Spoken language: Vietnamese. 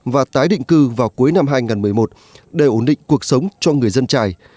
và tái định cư vào cuối năm hai nghìn một mươi một để ổn định cuộc sống cho người dân trài